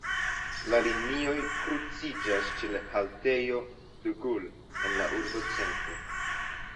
La linioj kruciĝas ĉe haltejo "De Gaulle" en la urbocentro.